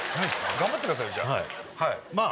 頑張ってくださいじゃあ。